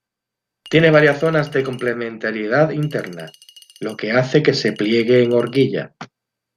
Tiene varias zonas de complementariedad interna, lo que hace que se pliegue en horquilla.